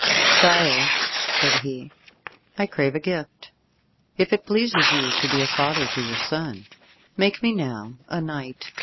"Sire," said he, "I crave a gift. If it pleases you to be a father to your son, make me now a knight.